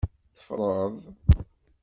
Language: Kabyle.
Teffreḍ?